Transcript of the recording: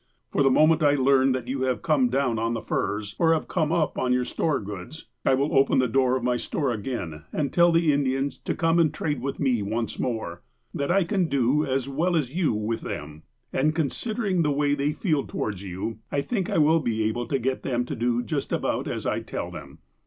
For the moment I learn that you have come down on the furs, or have come up on your store goods, I open the door of my store again, and tell the Indians to come and trade with me once more. That I can do as well as you with them. And, consider ing the way they feel towards you, I think I will be able to get them to do just about as I tell them.